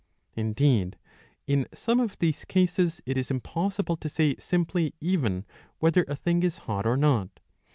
Indeed in some of these cases it is impossible to say simply even whether a thing is hot or not.